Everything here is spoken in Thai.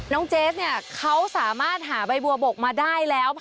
เจฟเนี่ยเขาสามารถหาใบบัวบกมาได้แล้ว